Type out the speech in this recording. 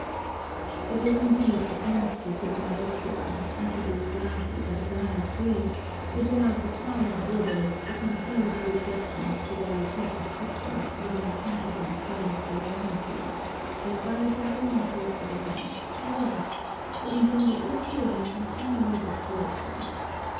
It was indeed administrative myopia, induced largely by blind greed, which allowed the friar orders to confuse the objections to their repressive system with an attack upon Spanish sovereignty, thereby dragging matters from bad to worse, to engender ill feeling and finally desperation.